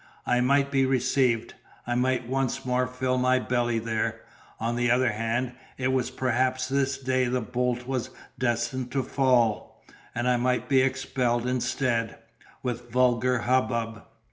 I might be received, I might once more fill my belly there; on the other hand, it was perhaps this day the bolt was destined to fall, and I might be expelled instead, with vulgar hubbub.